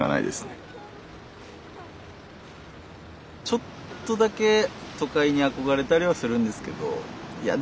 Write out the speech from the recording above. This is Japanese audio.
ちょっとだけ都会に憧れたりはするんですけどいや